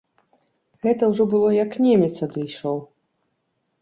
Гэта ўжо было, як немец адышоў.